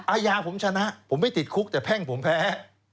อาญาผมชนะผมไม่ติดคุกแต่แพ่งผมแพ้